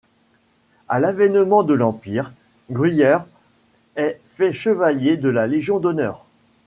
À l'avènement de l'Empire, Gruyer est fait chevalier de la Légion d'honneur.